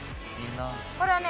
これはね